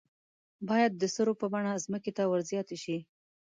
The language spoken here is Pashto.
باید د سرو په بڼه ځمکې ته ور زیاتې شي.